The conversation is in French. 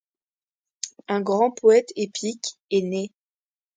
Un grand poète épique est né.